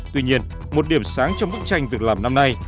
tuy nhiên một điểm sáng trong bức tranh việc làm năm nay